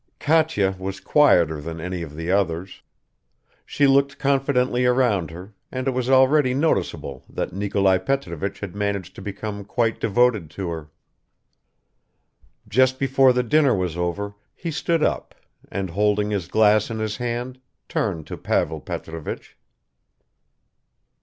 Katya was quieter than any of the others; she looked confidently around her, and it was already noticeable that Nikolai Petrovich had managed to become quite devoted to her. Just before the dinner was over he stood up and, holding his glass in his hand, turned to Pavel Petrovich.